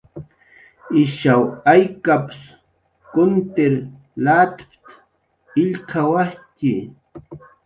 "Ishaw aykap""ps kuntirq latp""t""a illk""awajttxi."